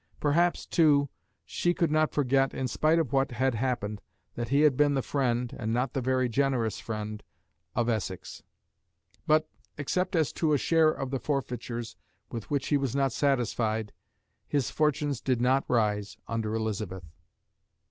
Perhaps, too, she could not forget, in spite of what had happened, that he had been the friend, and not the very generous friend, of Essex. But, except as to a share of the forfeitures, with which he was not satisfied, his fortunes did not rise under Elizabeth.